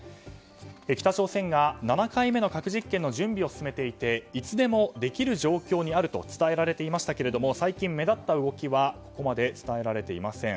北朝鮮が７回目の核実験の準備を進めていていつでもできる状況にあると伝えられていましたけど最近、目立った動きはここまで伝えられていません。